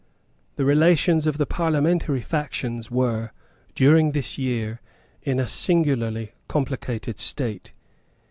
The relations of the parliamentary factions were, during this year, in a singularly complicated state.